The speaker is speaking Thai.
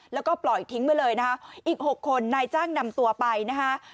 แล้วก็ปล่อยทิ้งไว้เลยนะคะอีก๖คนนายจ้างนำตัวไปนะคะ